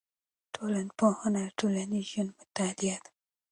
ټولنپوهنه د ټولنیز ژوند مطالعه ده.